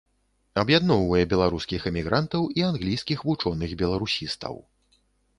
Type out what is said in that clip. Аб'ядноўвае беларускіх эмігрантаў і англійскіх вучоных-беларусістаў.